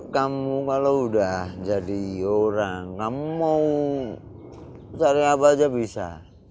kamu kalau udah jadi orang kamu cari apa aja bisa